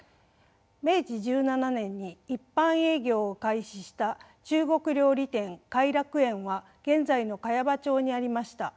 明治１７年に一般営業を開始した中国料理店偕楽園は現在の茅場町にありました。